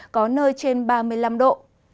có nơi trên ba mươi năm độ